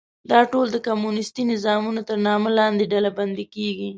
دا ټول د کمونیستي نظامونو تر نامه لاندې ډلبندي کېږي.